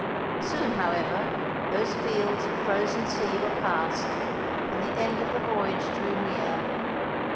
Soon, however, those fields of frozen sea were passed, and the end of the voyage drew near.